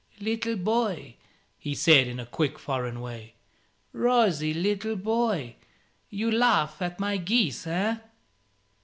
"Little boy," he said, in a quick foreign way "rosy little boy. You laugh at my geese, eh?"